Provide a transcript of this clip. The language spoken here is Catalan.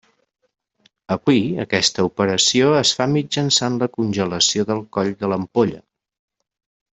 Avui aquesta operació es fa mitjançant la congelació del coll de l'ampolla.